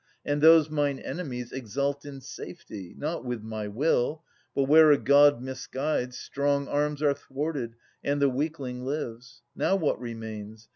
And those mine enemies exult in safety, —■ Not with my will; but where a God misguides. Strong arms are thwarted, and the weakling lives. Now, what remains